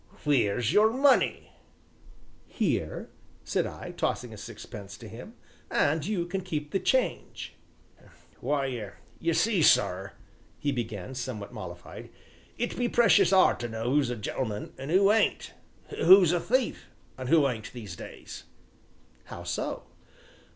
"Wheer's your money?" "Here," said I, tossing a sixpence to him, "and you can keep the change." "Why, ye see, sir," he began, somewhat mollified, "it be precious 'ard to know who's a gentleman, an' who ain't; who's a thief, an' who ain't these days." "How so?"